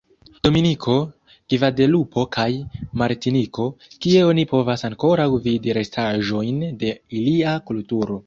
Dominiko, Gvadelupo kaj Martiniko, kie oni povas ankoraŭ vidi restaĵojn de ilia kulturo.